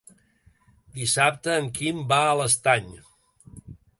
Dissabte en Quim va a l'Estany.